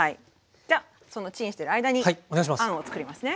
じゃあそのチンしてる間にあんをつくりますね。